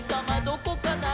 どこかな？」